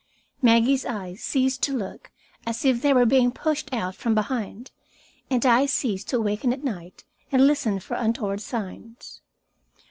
Maggie's eyes ceased to look as if they were being pushed out from behind, and I ceased to waken at night and listen for untoward signs.